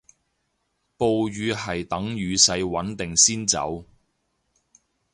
暴雨係等雨勢穩定先走